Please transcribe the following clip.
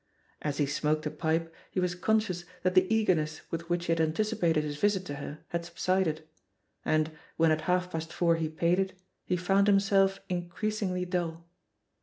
As he smoked a pipe he was conscious that the eagerness with which he had anticipated his visit to her had subsided ; and, when at half past four he paid it, he found himself increas ingly dull.